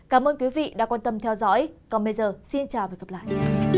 cảm ơn quý vị đã quan tâm theo dõi xin chào và hẹn gặp lại